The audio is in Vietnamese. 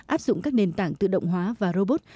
áp dụng các nền tảng tự động hóa và robot